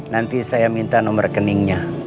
nanti saya minta nomor rekeningnya